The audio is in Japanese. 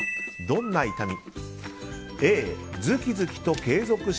どんな痛み。